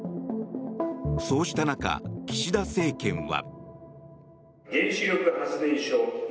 そうした中、岸田政権は。